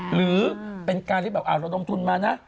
หรือเป็นการที่แบบระดมทุนมานะ